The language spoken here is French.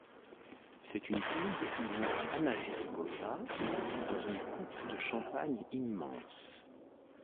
C'est une pub où l'on voit Hana Jirickova dans une coupe de champagne immense.